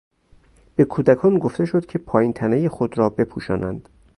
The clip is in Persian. به کودکان گفته شد که پایین تنهی خود را بپوشانند.